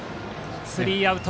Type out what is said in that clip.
スリーアウト。